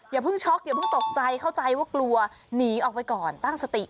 อย่าเพิ่งช็อกอย่าเพิ่งตกใจเข้าใจว่ากลัวหนีออกไปก่อนตั้งสติ